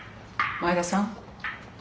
前田さん。